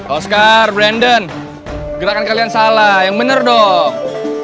oscar brandon gerakan kalian salah yang bener dong